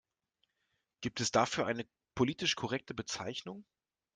Gibt es dafür eine politisch korrekte Bezeichnung?